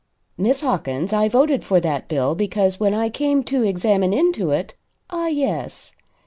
"Miss Hawkins, I voted for that bill because when I came to examine into it " "Ah yes.